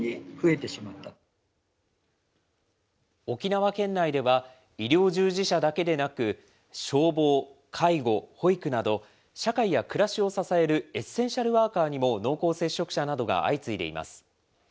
沖縄県内では、医療従事者だけでなく、消防、介護、保育など、社会や暮らしを支えるエッセンシャルワーカーにも濃厚接触者などが相次いでいます。